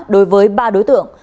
đối với ba đối tượng